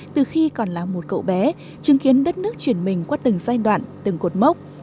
từ khi còn là một cậu bé chứng kiến đất nước chuyển mình qua từng giai đoạn từng cột mốc